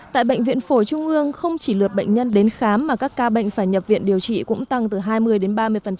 tại bệnh viện phổi trung ương không chỉ lượt bệnh nhân đến khám mà các ca bệnh phải nhập viện điều trị cũng tăng từ hai mươi đến ba mươi